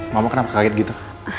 mama kenapa kaget gitu